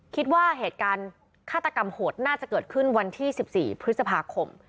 คิดว่าเหตุการณ์ฆาตกรรมโหดน่าจะเกิดขึ้นวันที่๑๔พฤษภาคม